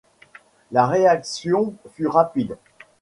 La réaction fut rapide.